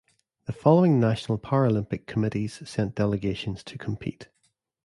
The following National Paralympic Committees sent delegations to compete.